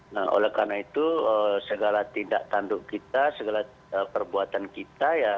nah oleh karena itu segala tindak tanduk kita segala perbuatan kita ya